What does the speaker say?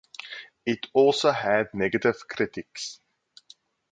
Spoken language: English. It also had negative critics.